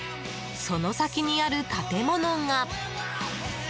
その先にある建物が。